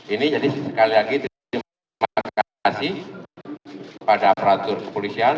ini jadi sekali lagi terima kasih pada peratur kepolisian